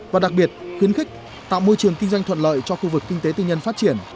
và đặc biệt khuyến khích tạo môi trường kinh doanh thuận lợi cho khu vực kinh tế tư nhân phát triển